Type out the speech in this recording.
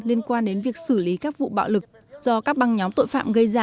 liên quan đến việc xử lý các vụ bạo lực do các băng nhóm tội phạm gây ra